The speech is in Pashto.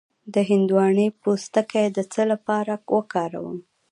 د هندواڼې پوستکی د څه لپاره وکاروم؟